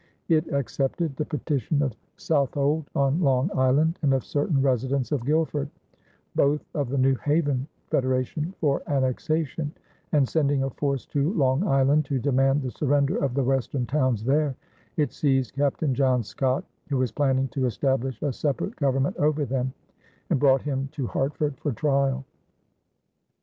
It accepted the petition of Southold on Long Island and of certain residents of Guilford, both of the New Haven federation, for annexation, and, sending a force to Long Island to demand the surrender of the western towns there, it seized Captain John Scott, who was planning to establish a separate government over them, and brought him to Hartford for trial.